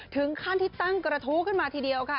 ถึงขั้นที่ตั้งกระทู้ขึ้นมาทีเดียวค่ะ